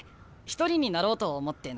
一人になろうと思ってな。